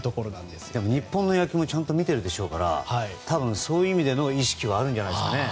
でも、日本の野球もちゃんと見てるでしょうからそういう意味での意識はあるんじゃないでしょうかね